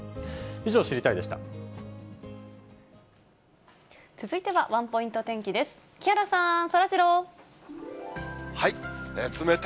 以上、知りたいッ！でした。